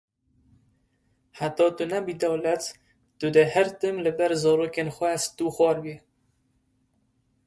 Heta tu nebî dewlet tu dê her tim li ber zarokên xwe stûxwar bî